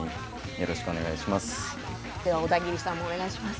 よろしくお願いします。